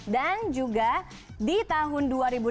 dan juga di tahun dua ribu dua puluh